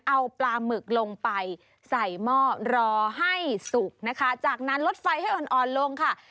เอาปลาหมึกลงไปใส่หม้อรอให้สุกนะคะจากนั้นลดไฟให้อ่อนอ่อนลงค่ะ